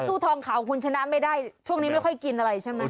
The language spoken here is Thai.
ทองขาวคุณชนะไม่ได้ช่วงนี้ไม่ค่อยกินอะไรใช่ไหม